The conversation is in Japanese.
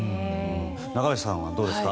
中林さんはどうですか？